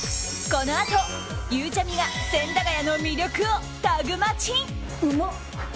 このあと、ゆうちゃみが千駄ヶ谷の魅力をタグマチ。